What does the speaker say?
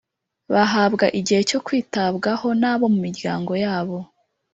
Bahabwa igihe cyo kwitabwaho nabo mu miryango yabo